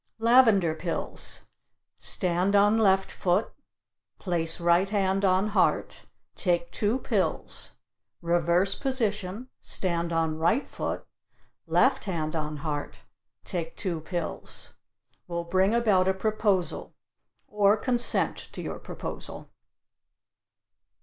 Lavender pills stand on left foot, place right hand on heart, take two pills, reverse position, stand on right foot, left hand on heart, take two pills. Will bring about a proposal or consent to your proposal.